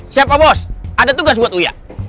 siap pak bos ada tugas buat uya